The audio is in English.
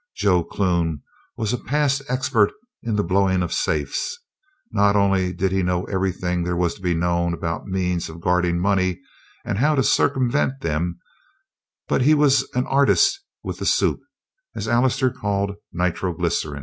Joe Clune was a past expert in the blowing of safes; not only did he know everything that was to be known about means of guarding money and how to circumvent them, but he was an artist with the "soup," as Allister called nitroglycerin.